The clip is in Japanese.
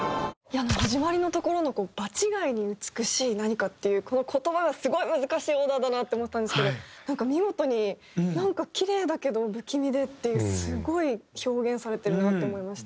あの始まりのところの「場違いに美しい何か」っていうこの言葉がすごい難しいオーダーだなって思ったんですけど見事になんかキレイだけど不気味でっていうすごい表現されてるなって思いました。